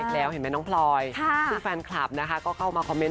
เห็นไหมน้องพลอยซึ่งแฟนคลับก็เข้ามาคอมเมนต์